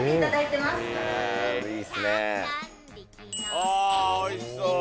あぁおいしそう。